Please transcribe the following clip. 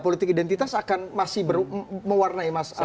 politik identitas akan masih mewarnai mas